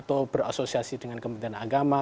atau berasosiasi dengan kementerian agama